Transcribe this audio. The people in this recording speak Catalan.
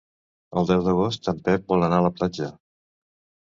El deu d'agost en Pep vol anar a la platja.